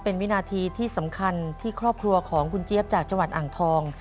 เป็นวินาทีที่สำคัญที่ครอบครัวของคุณเจี๊ยบจากจังหวัดอ่างทอง